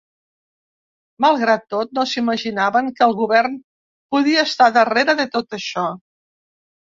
Malgrat tot, no s'imaginaven que el govern podia estar darrere de tot això.